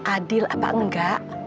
adil apa enggak